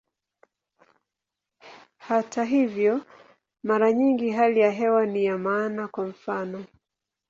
Hata hivyo, mara nyingi hali ya hewa ni ya maana, kwa mfano.